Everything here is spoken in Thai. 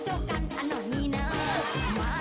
โจ๊กโจ๊กโจ๊กโจ๊กโจ๊กโจ๊กโจ๊ก